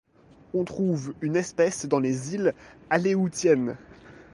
On trouve une espèce dans les îles Aléoutiennes.